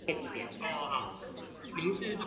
民事訴訟法